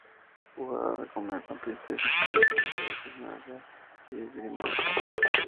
Juega de mediocampista y su primer equipo fue Gimnasia y Esgrima La Plata.